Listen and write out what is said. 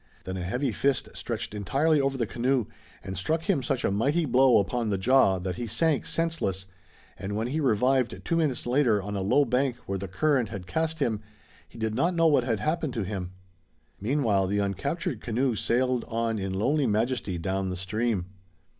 Then a heavy fist stretched entirely over the canoe and struck him such a mighty blow upon the jaw that he sank senseless, and when he revived two minutes later on a low bank where the current had cast him, he did not know what had happened to him. Meanwhile the uncaptured canoe sailed on in lonely majesty down the stream.